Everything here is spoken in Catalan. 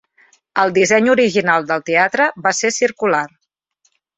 El disseny original del teatre va ser circular.